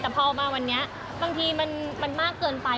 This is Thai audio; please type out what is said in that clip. แต่พอออกมาวันนี้บางทีมันมากเกินไป